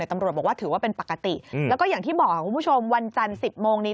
ตำรวจบอกว่าถือว่าเป็นปกติแล้วก็อย่างที่บอกคุณผู้ชมวันจันทร์๑๐โมงนี้